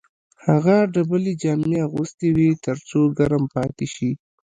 هغه ډبلې جامې اغوستې وې تر څو ګرم پاتې شي